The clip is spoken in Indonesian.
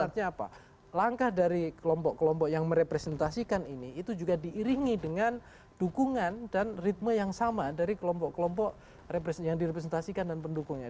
karena langkah dari kelompok kelompok yang merepresentasikan ini itu juga diiringi dengan dukungan dan ritme yang sama dari kelompok kelompok yang direpresentasikan dan pendukungnya